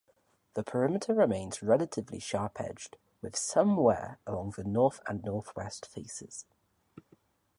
The perimeter remains relatively sharp-edged, with some wear along the north and northwest faces.